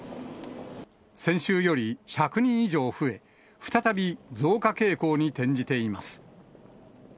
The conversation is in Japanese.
先週より１００人以上増え、再び増加傾向に転じています。